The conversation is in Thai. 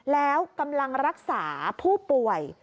แล้วกำลังรักษาผู้ป่วย